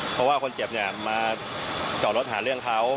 เพราะว่าคนเจ็บเนี่ยมาจอดรถหาเรื่องเขา